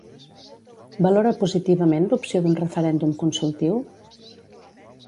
Valora positivament l'opció d'un referèndum consultiu?